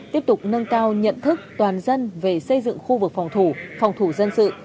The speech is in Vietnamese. tiếp tục nâng cao nhận thức toàn dân về xây dựng khu vực phòng thủ phòng thủ dân sự